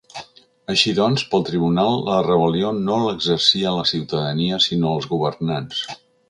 Així doncs, pel tribunal la rebel·lió no l’exercia la ciutadania, sinó els governants.